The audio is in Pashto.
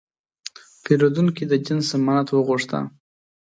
پیرودونکی د جنس ضمانت وغوښته.